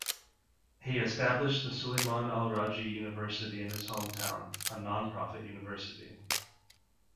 He established the Sulaiman Al Rajhi University in his hometown, a non profit university.